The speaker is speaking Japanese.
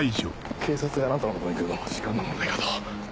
警察があなたの元に来るのも時間の問題かと。